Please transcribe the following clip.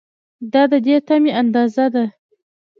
دا د دې تمې اندازه ده.